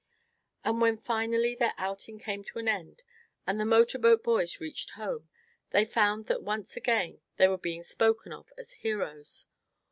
And when finally their outing came to an end, and the motor boat boys reached home, they found that once again they were being spoken of as heroes.